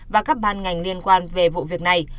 và các ban ngành liên quan về vụ việc này